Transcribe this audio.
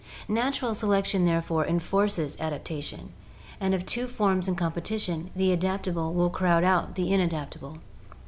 Natural selection therefore enforces adaptation, and of 108 ORGANIC EVOLUTION two forms in competition, the adaptable will crowd out the in adaptable.